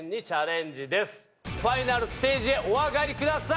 ファイナルステージへお上がりください。